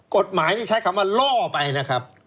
กฎหมายนี่ใช้คำว่าล่อไปนะครับ